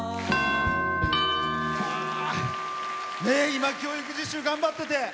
今、教育実習頑張ってて。